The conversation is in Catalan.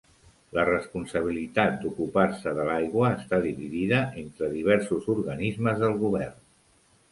La responsabilitat d'ocupar-se de l'aigua està dividida entre diversos organismes del govern.